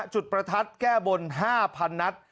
จุดประทัดแก้บน๕๐๐นัด